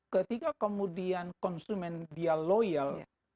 ketika kemudian konsumen dia loyal